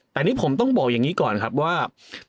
แต่นี่ผมต้องบอกอย่างนี้ก่อนครับว่า